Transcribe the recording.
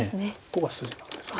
ここが筋なんです。